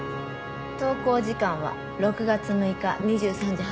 投稿時間は６月６日２３時８分。